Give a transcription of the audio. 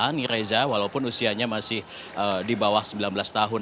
ini reza walaupun usianya masih di bawah sembilan belas tahun